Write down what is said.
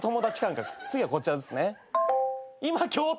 次はこちらですね。